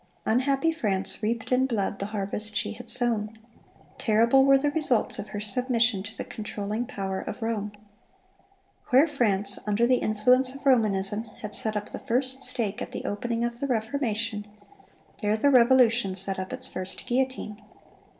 Unhappy France reaped in blood the harvest she had sown. Terrible were the results of her submission to the controlling power of Rome. Where France, under the influence of Romanism, had set up the first stake at the opening of the Reformation, there the Revolution set up its first guillotine.